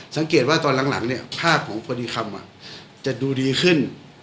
สังเกตว่าตอนหลังเนี่ยภาพของคนที่คำจะดูดีขึ้น